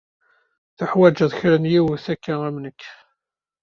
Tuḥwaǧeḍ kra n yiwet akka am nekk.